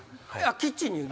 キッチンにいる？